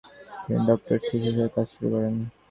তিনি ডক্টরাল থিসিসের কাজ শুরু করেন।